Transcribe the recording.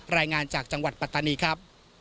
รายงานจากจังหวัดปัตตานีครับ